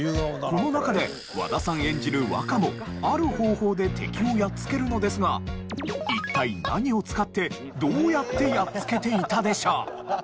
この中で和田さん演じる若もある方法で敵をやっつけるのですが一体何を使ってどうやってやっつけていたでしょう？